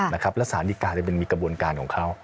และศาลิกาจะเป็นมีกระบวนการของเขา